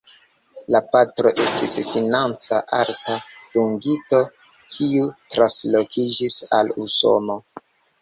La patro estis financa alta dungito kiu translokiĝis al Usono.